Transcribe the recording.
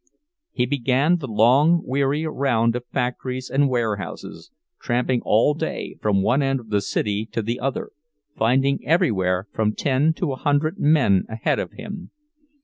He began the long, weary round of factories and warehouses, tramping all day, from one end of the city to the other, finding everywhere from ten to a hundred men ahead of him.